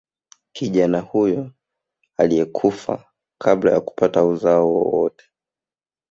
Kijana huyo aliyekufa kabla ya kupata uzao wowote